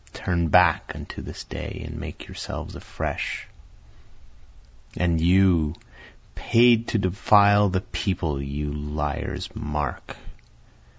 Turn back unto this day and make yourselves afresh. And you, paid to defile the People you liars, mark!